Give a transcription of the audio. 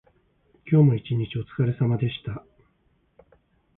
今日も一日おつかれさまでした。